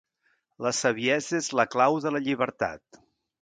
La saviesa és la clau de la llibertat.